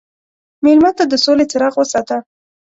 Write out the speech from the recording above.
مېلمه ته د سولې څراغ وساته.